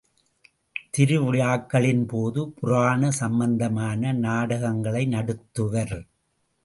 திரு விழாக்களின் போது புராண சம்பந்தமான நாடகங்களை நடத்துவர்.